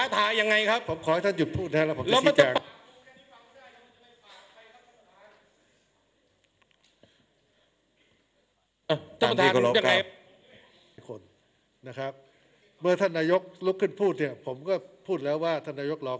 ท่านครับผมพอสรุปผมยังมีเวลาครับ